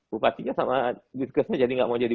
bupatinya sama dinkesnya jadi gak mau jadi